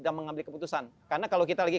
dan mengambil keputusan karena kalau kita lagi